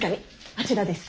あちらです。